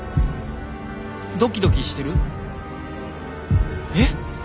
ドキドキしてる？えっ？